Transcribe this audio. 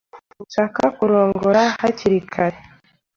Sinshaka kurongora hakiri kare.